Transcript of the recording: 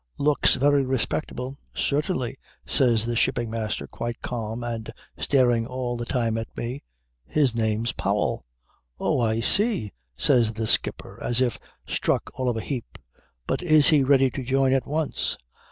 "Looks very respectable." "Certainly," says the shipping master quite calm and staring all the time at me. "His name's Powell." "Oh, I see!" says the skipper as if struck all of a heap. "But is he ready to join at once?"